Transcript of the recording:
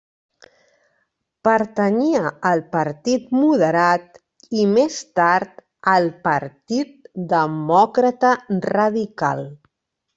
Pertanyia al Partit Moderat i més tard al Partit Demòcrata-Radical.